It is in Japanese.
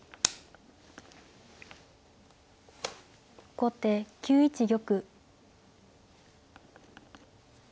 後手９一玉。